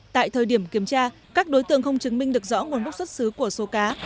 tại thời điểm kiểm tra các đối tượng không chứng minh được rõ nguồn gốc xuất xứ của số cá